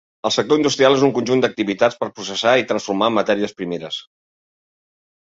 El sector industrial és un conjunt d’activitats per processar i transformar matèries primeres.